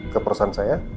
ke perusahaan saya